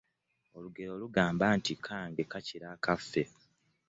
Olugero lugamba nti "Kange ,kakira akaffe."